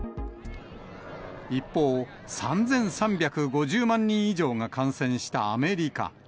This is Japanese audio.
一方、３３５０万人以上が感染したアメリカ。